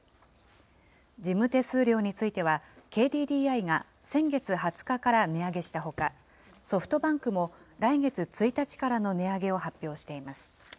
事務手数料については、ＫＤＤＩが先月２０日から値上げしたほか、ソフトバンクも来月１日からの値上げを発表しています。